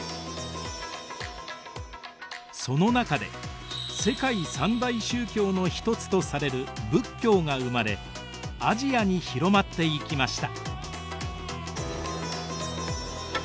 その中で世界三大宗教の一つとされる仏教が生まれアジアに広まっていきました。